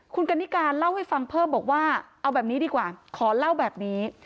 คุณกันนิกาเล่าให้ฟังเพิ่มบอกว่าเอาแบบนี้ดีกว่าขอเล่าแบบนี้